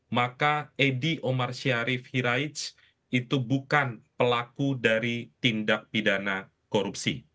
maka edy omar syarif hiraij itu bukan pelaku dari tindak pidana korupsi